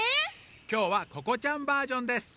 きょうはここちゃんバージョンです。